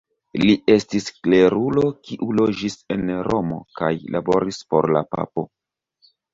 Li estis klerulo kiu loĝis en Romo kaj laboris por la papo.